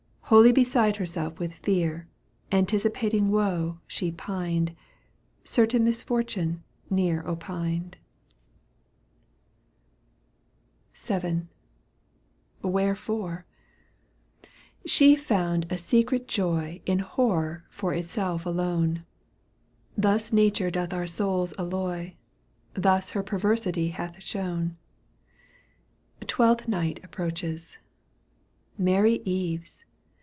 Wholly beside herself with fear. Anticipating woe she pined. Certain misfortune near opined. . Digitized by VjOOQ 1С САЭТО V. EUGENE ONEGUINE. 131 VII. Я Wherefore ? She found a secret joy In horror for itself alone, Thus Nature doth our souls alloy, Thus her perversity hath shown. ^ Twelfth Night approaches. Merry eves